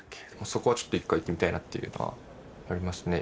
そこはちょっと１回行ってみたいなっていうのはありますね。